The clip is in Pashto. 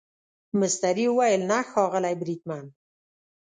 مستري وویل نه ښاغلی بریدمن.